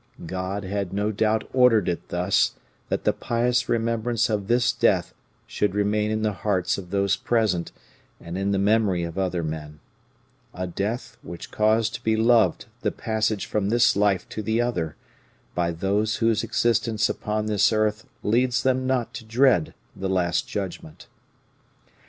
God had no doubt ordered it thus that the pious remembrance of this death should remain in the hearts of those present, and in the memory of other men a death which caused to be loved the passage from this life to the other by those whose existence upon this earth leads them not to dread the last judgment.